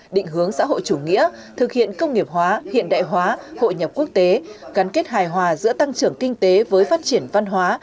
định hướng xã hội chủ nghĩa thực hiện công nghiệp hóa hiện đại hóa hội nhập quốc tế gắn kết hài hòa giữa tăng trưởng kinh tế với phát triển văn hóa